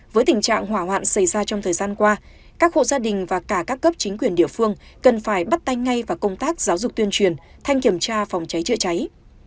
với tình trạng hỏa hoạn xảy ra trong thời gian qua các hộ gia đình và cả các cấp chính quyền địa phương cần phải bắt tay ngay vào công tác giáo dục tuyên truyền thanh kiểm tra phòng cháy chữa cháy